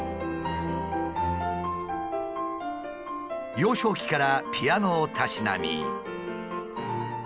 幼少期からピアノをたしなみ。